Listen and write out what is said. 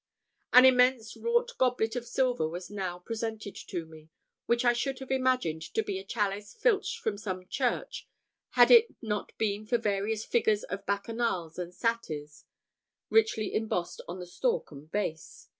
An immense wrought goblet of silver was now presented to me, which I should have imagined to be a chalice filched from some church, had it not been for various figures of bacchanals and satyrs richly embossed on the stalk and base.